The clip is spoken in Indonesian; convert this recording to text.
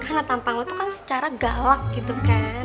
karena tampang lo tuh kan secara galak gitu kan